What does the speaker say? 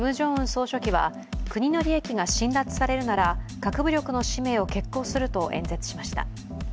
総書記は国の利益が侵奪されるなら核武力の使命を決行すると演説しました。